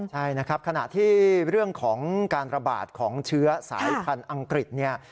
ใช่นะครับขณะที่เรื่องของการระบาดของเชื้อสายพันธุ์อังกฤษเนี่ย